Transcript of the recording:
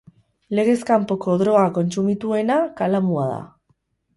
Legez kanpoko droga kontsumituena kalamua da.